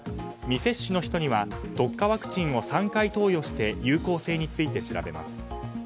未接種の人には特化ワクチンを３回投与して有効性について調べます。